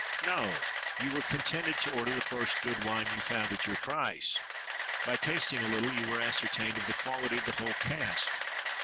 —No! You were contented to order the first good wine you found at your price. By tasting a little you were ascertained of the quality of the whole cask.